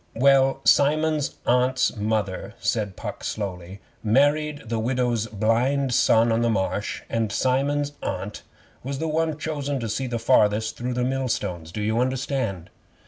'Well, Simon's Aunt's mother,' said Puck slowly, 'married the Widow's blind son on the Marsh, and Simon's Aunt was the one chosen to see farthest through millstones. Do you understand?